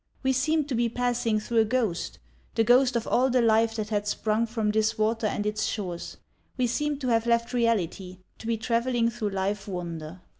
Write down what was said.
We seemed to be passing through a ghost—the ghost of all the life that had sprung from this water and its shores; we seemed to have left reality, to be travelling through live wonder.